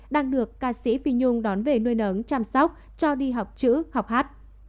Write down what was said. đang được ca sĩ pi nhung đón về nuôi nấng chăm sóc cho đi học chữ học hát